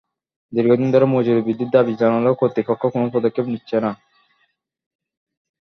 দীর্ঘদিন ধরে মজুরি বৃদ্ধির দাবি জানালেও কর্তৃপক্ষ কোনো পদক্ষেপ নিচ্ছে না।